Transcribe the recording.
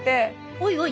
おいおい。